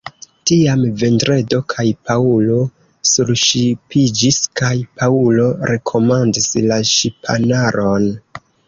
Tiam Vendredo kaj Paŭlo surŝipiĝis, kaj Paŭlo rekomandis la ŝipanaron.